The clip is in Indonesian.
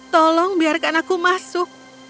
tolong biarkan aku masuk